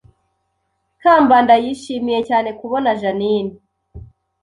Kambanda yishimiye cyane kubona Jeaninne